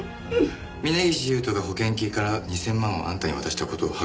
峰岸勇人が保険金から２０００万をあんたに渡した事を白状したよ。